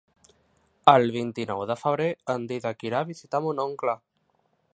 El vint-i-nou de febrer en Dídac irà a visitar mon oncle.